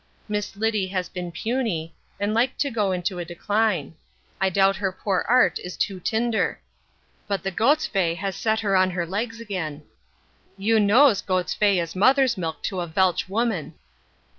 Miss Liddy has been puny, and like to go into a decline I doubt her pore art is too tinder but the got's fey has set her on her legs again. You nows got's fey is mother's milk to a Velch woman.